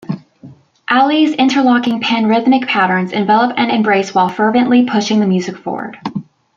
Ali's interlocking pan-rhythmic patterns envelop and embrace while fervently pushing the music forward.